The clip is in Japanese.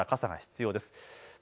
まだ傘が必要です。